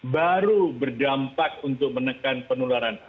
baru berdampak untuk menekan penularan